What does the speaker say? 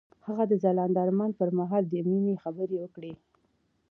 هغه د ځلانده آرمان پر مهال د مینې خبرې وکړې.